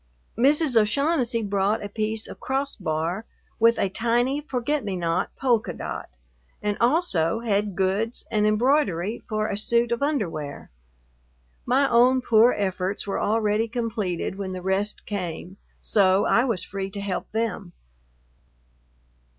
Mrs. O'Shaughnessy brought a piece of crossbar with a tiny forget me not polka dot, and also had goods and embroidery for a suit of underwear. My own poor efforts were already completed when the rest came, so I was free to help them.